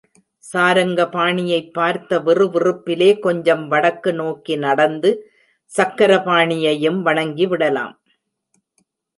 சாரங்கபாணியைப் பார்த்த விறுவிறுப்பிலே கொஞ்சம் வடக்கு நோக்கி நடந்து சக்கரபாணியையும் வணங்கி விடலாம்.